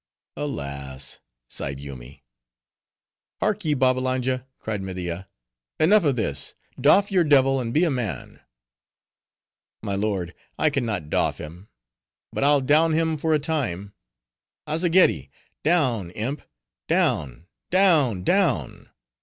alas!" sighed Yoomy. "Hark ye, Babbalanja," cried Media, "enough of this: doff your devil, and be a man." "My lord, I can not doff him; but I'll down him for a time: Azzageddi! down, imp; down, down, down!